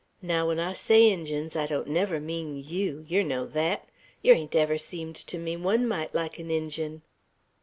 Naow when I say Injuns, I don't never mean yeow, yer know thet. Yer ain't ever seemed to me one mite like an Injun."